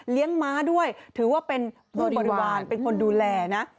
ม้าด้วยถือว่าเป็นผู้บริวารเป็นคนดูแลนะ